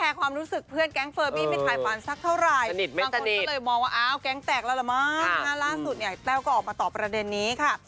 ท่านล่าสุดเนี่ยเต้าก็ออกมาตอบประเด็นนี้ค่ะ